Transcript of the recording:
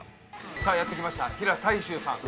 さあやって来ました平太周さん。